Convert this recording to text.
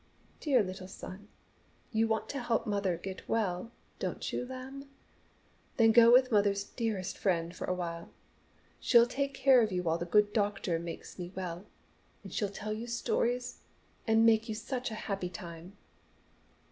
"Dear little son, you want to help mother get well, don't you, lamb? Then go with mother's dearest friend for awhile. She'll take care of you while the good doctor makes me well. And she'll tell you stories and make you have such a happy time."